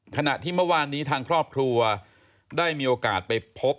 ขณะที่เมื่อวานนี้ทางครอบครัวได้มีโอกาสไปพบ